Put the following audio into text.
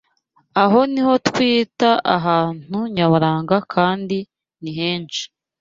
Aho ni ho twita ahantu nyaburanga kandi ni henshi